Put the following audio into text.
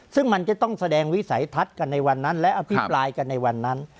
ซึ่งมันจะต้องแสดงวิสัยทัศน์กันในวันนั้นและอภิปรายกันในวันนั้น